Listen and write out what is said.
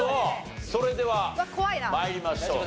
それでは参りましょう。